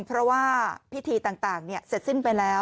เพราะว่าพิธีต่างเสร็จสิ้นไปแล้ว